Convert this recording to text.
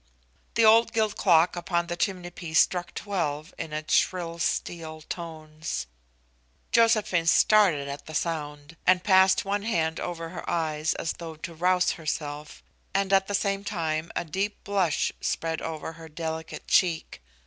The old gilt clock upon the chimney piece struck twelve in its shrill steel tones. Josephine started at the sound, and passed one hand over her eyes as though to rouse herself, and at the same time a deep blush spread over her delicate cheek.